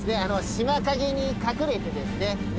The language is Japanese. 島陰に隠れてですね